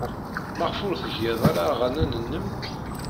Maɣef ur tgid ara aɣanen-nnem?